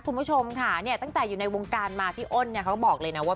คุณผู้ชมคะตั้งแต่อยู่ในวงการมาพี่อ้นเขาบอกเลยนะว่า